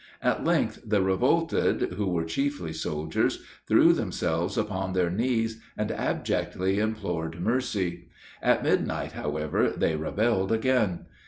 At length the revolted, who were chiefly soldiers, threw themselves upon their knees, and abjectly implored mercy. At midnight, however, they rebelled again.